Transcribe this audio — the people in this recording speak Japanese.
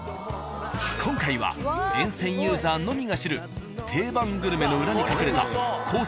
［今回は沿線ユーザーのみが知る定番グルメの裏に隠れたこっそりグルメを調査！］